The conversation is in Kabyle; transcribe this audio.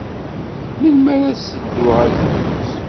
Melmi ara teddu ɣer tmurt?